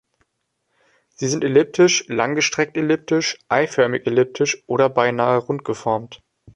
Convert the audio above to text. Sie sind elliptisch, langgestreckt-elliptisch, eiförmig-elliptisch oder beinahe rund geformt.